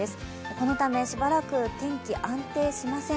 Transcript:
このためしばらく天気、安定しません。